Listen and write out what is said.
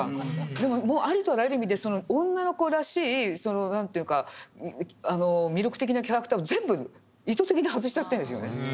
でもありとあらゆる意味で女の子らしい何ていうのか魅力的なキャラクターを全部意図的に外しちゃってるんですよね。